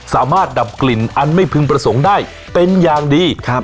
ดับกลิ่นอันไม่พึงประสงค์ได้เป็นอย่างดีครับ